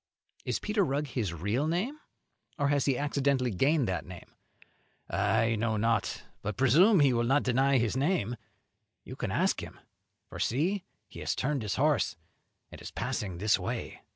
"Is Peter Rugg his real name, or has he accidentally gained that name?" "I know not, but presume he will not deny his name; you can ask him, for see, he has turned his horse and is passing this way."